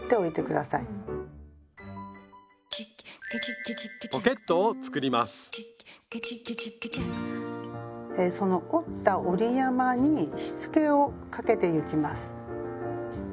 えその折った折り山にしつけをかけてゆきます。